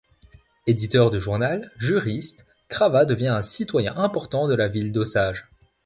Éditeur de journal, juriste, Cravat devient un citoyen important de la ville d'Osage.